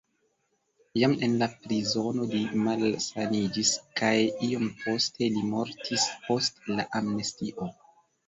Jam en la prizono li malsaniĝis kaj iom poste li mortis post la amnestio.